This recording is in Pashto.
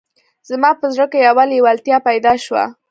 زما په زړه کې یوه لېوالتیا پیدا شوه